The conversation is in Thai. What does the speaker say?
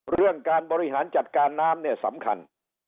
เรื่องการบริหารจัดการน้ำเนี่ยสำคัญ